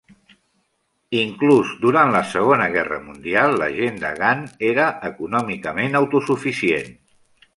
Inclús durant la Segona Guerra Mundial, la gent de Gan era econòmicament autosuficient.